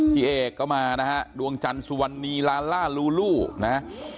พี่เอกมายังมานะฮะดวงจันสุวรรณีลาล่ารูรูนะ